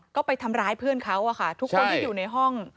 ก็ไปทำร้ายเพื่อนเขาทุกคนที่อยู่ในห้อง